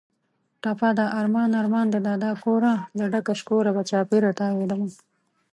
ټپه ده: ارمان ارمان دې دادا کوره، له ډکه شکوره به چاپېره تاوېدمه